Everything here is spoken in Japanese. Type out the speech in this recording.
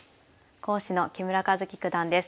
講師の木村一基九段です。